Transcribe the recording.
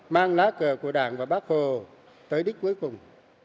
mang lá cờ của đảng và bác hồ tới đích cuối cùng